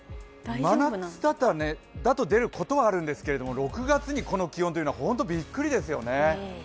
真夏だと出ることはあるんですけど６月にこの気温というのは本当、びっくりですよね。